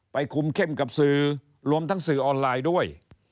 คุมเข้มกับสื่อรวมทั้งสื่อออนไลน์ด้วย